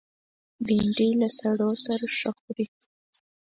بېنډۍ له سړو سره ښه خوري